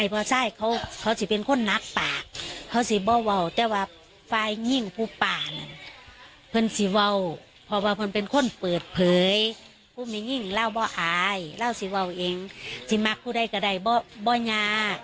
พี่น้องก็จะเป็นคนนักป่า